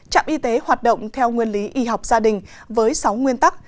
trạm y tế hoạt động theo nguyên lý y học gia đình với sáu nguyên tắc